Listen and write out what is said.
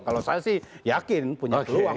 kalau saya sih yakin punya peluang